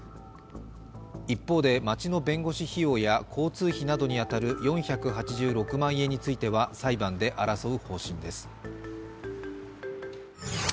一方で、町の弁護士費用や交通費などに当たる４８６万円については裁判で争う方針です。